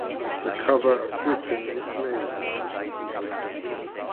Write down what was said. The cover of Whyton's It's Me, Mum!